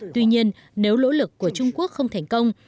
tuy nhiên nếu nỗ lực của trung quốc không thành công